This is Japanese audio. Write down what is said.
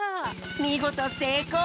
みごとせいこう！